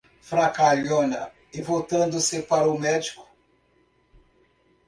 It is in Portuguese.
Fracalhona! E voltando-se para o médico: